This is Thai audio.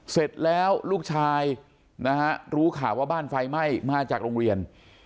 เสร็จแล้วลูกชายนะฮะรู้ข่าวว่าบ้านไฟไหม้มาจากโรงเรียน